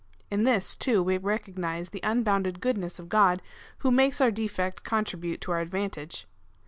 In this, too, we recognise the unbounded goodness of God, who makes our defect contribute to our advantage.